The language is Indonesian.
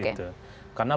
karena banyak orang